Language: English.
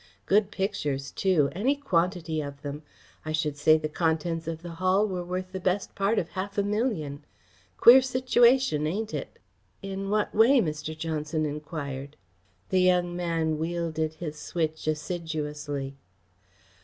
Good pictures, too, any quantity of them. I should say the contents of the Hall were worth the best part of half a million. Queer situation, ain't it?" "In what way?" Mr. Johnson enquired. The young man wielded his switch assiduously.